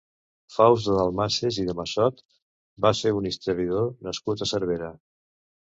Faust de Dalmases i de Massot va ser un historiador nascut a Cervera.